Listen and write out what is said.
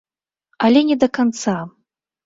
Але не да канца.